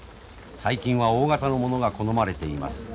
最近は大型のものが好まれています。